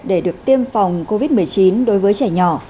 để được tiêm phòng covid một mươi chín đối với trẻ nhỏ